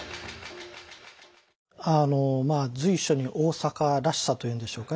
まあ随所に大阪らしさというんでしょうかね